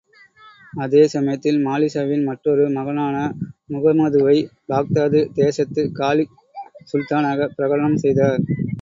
அதே சமயத்தில், மாலிக்ஷாவின் மற்றொரு மகனான முகமதுவை பாக்தாது தேசத்து காலிப், சுல்தானாகப் பிரகடனம் செய்தார்.